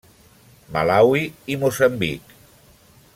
Malawi i Moçambic.